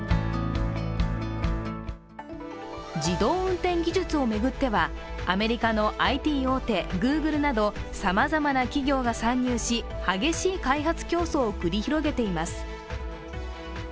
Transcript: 自動運転技術を巡っては、アメリカのＩＴ大手、グーグルなどさまざまな企業が参入し激しい開発競争を繰り広げています。